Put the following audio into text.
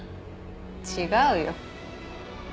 違うよ。